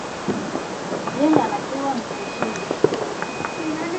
yeye anajua nitaishije